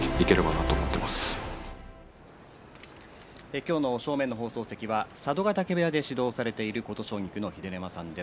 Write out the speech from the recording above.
今日の正面の放送席は佐渡ヶ嶽部屋で指導されている琴奨菊の秀ノ山さんです。